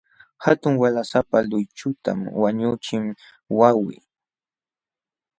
Hatun waqlasapa luychutam wañuqchin wawqii.